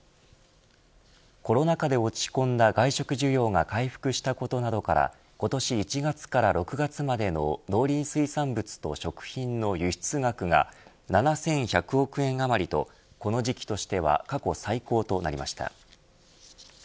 コロナ禍で落ち込んだ外食需要が回復したことなどから今年１月から６月までの農林水産物と食品の輸出額が７１００億円余りとこの時期としては過去最高となりました。